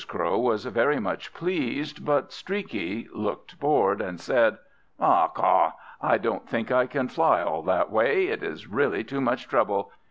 Crow was very much pleased, but Streaky looked bored, and said: "Aw, caw, I don't think I can fly all that way. It is really too much trouble.